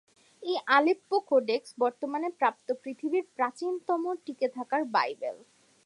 এই Aleppo codex বর্তমানে প্রাপ্ত পৃথিবীর প্রাচীনতম টিকে থাকা বাইবেল।